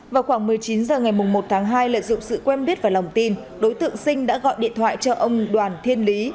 vào khoảng một mươi chín h ngày một tháng hai lợi dụng sự quen biết và lòng tin đối tượng sinh đã gọi điện thoại cho ông đoàn thiên lý